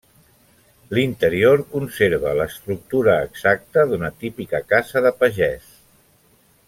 L'interior conserva l'estructura exacta d'una típica casa de pagès.